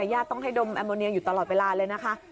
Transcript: ญาติต้องให้ดมแอมโมเนียอยู่ตลอดเวลาเลยนะคะ